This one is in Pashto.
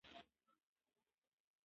پښتو مېړانه ده